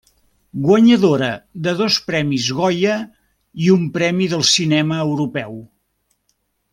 Guanyadora de dos Premis Goya i un Premi del Cinema Europeu.